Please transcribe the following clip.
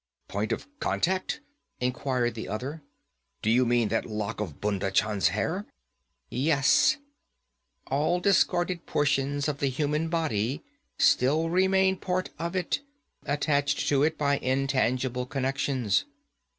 'Point of contact?' inquired the other. 'Do you mean that lock of Bhunda Chand's hair?' 'Yes. All discarded portions of the human body still remain part of it, attached to it by intangible connections.